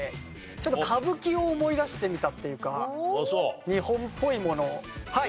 歌舞伎を思い出してみたっていうか日本っぽいものをはい。